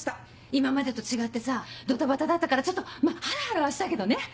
今までと違ってさドタバタだったからちょっとハラハラはしたけどね。